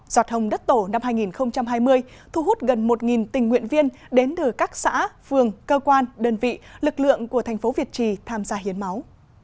giọt hồng đất tổ năm hai nghìn hai mươi thu hút gần một tình nguyện viên đến từ các xã phường cơ quan đơn vị lực lượng của thành phố việt trì tham gia hiến máu